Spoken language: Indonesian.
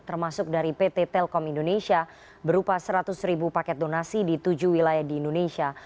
termasuk dari pt telkom indonesia berupa seratus ribu paket donasi di tujuh wilayah di indonesia